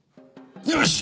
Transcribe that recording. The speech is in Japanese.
よし！